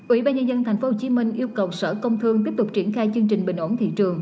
ubnd tp hcm yêu cầu sở công thương tiếp tục triển khai chương trình bình ổn thị trường